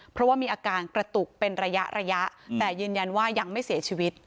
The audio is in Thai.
เพราะว่ามีอาการกระตุกเป็นระยะระยะแต่ยืนยันว่ายังไม่เสียชีวิต